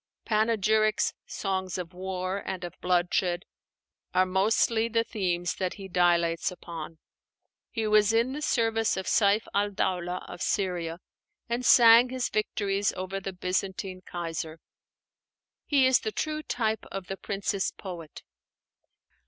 Panegyrics, songs of war and of bloodshed, are mostly the themes that he dilates upon. He was in the service of Saif al Dáulah of Syria, and sang his victories over the Byzantine Kaiser. He is the true type of the prince's poet.